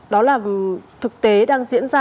đó là thực tế đang diễn ra